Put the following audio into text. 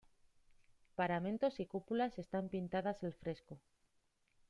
Paramentos y cúpulas están pintadas al fresco.